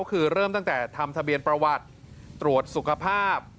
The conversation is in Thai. คือเริ่มตั้งแต่ทำทะเบียนประวัติตรวจสุขภาพ